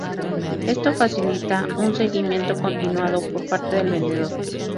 Esto facilita un seguimiento continuado por parte del vendedor.